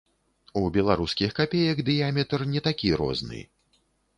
У беларускіх капеек дыяметр не такі розны.